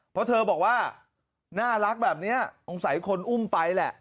เพราะเธอบอกว่าน่ารักแบบนี้สงสัยคนอุ้มไปแหละ